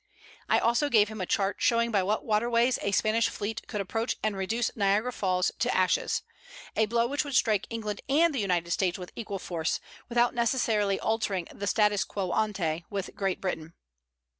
I also gave him a chart showing by what waterways a Spanish fleet could approach and reduce Niagara Falls to ashes a blow which would strike England and the United States with equal force, without necessarily altering the status quo ante with Great Britain.